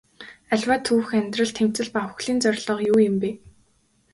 Аливаа түүх амьдрал тэмцэл ба үхлийн зорилго юу юм бэ?